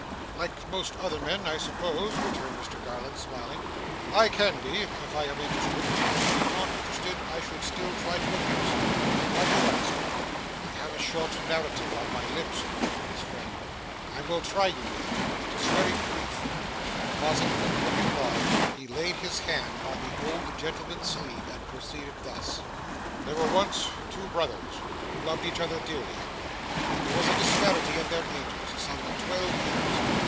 'Like most other men, I suppose,' returned Mr Garland, smiling. 'I can be, if I am interested; and if not interested, I should still try to appear so. Why do you ask?' 'I have a short narrative on my lips,' rejoined his friend, 'and will try you with it. It is very brief.' Pausing for no reply, he laid his hand on the old gentleman's sleeve, and proceeded thus: 'There were once two brothers, who loved each other dearly. There was a disparity in their ages some twelve years.